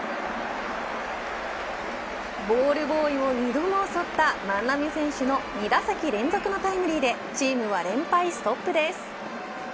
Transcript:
ボールボーイを２度も襲った万波選手の２打席連続のタイムリーでチームは連敗ストップです。